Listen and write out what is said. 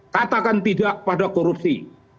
katakan tidak pada korupsi